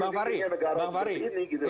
jangan berdikari negara seperti ini